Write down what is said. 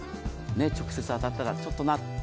直接、当たったらちょっとな。